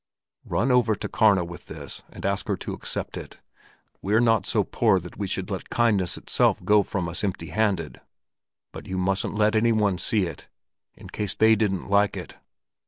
"Run over to Karna with this and ask her to accept it. We're not so poor that we should let kindness itself go from us empty handed. But you mustn't let any one see it, in case they didn't like it.